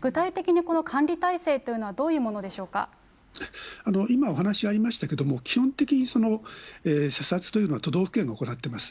具体的にこの管理体制というのは、今お話ありましたけれども、基本的に査察というのは、都道府県が行っています。